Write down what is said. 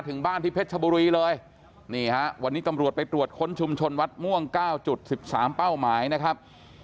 ถึงบ้านที่เพชรชบุรีเลยนี่ฮะวันนี้ตำรวจไปตรวจค้นชุมชนวัดม่วง๙๑๓เป้าหมายนะครับ